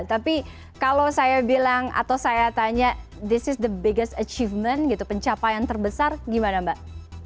tapi kalau saya bilang atau saya tanya ini adalah pencapaian terbesar gimana mbak